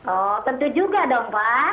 oh tentu juga dong pak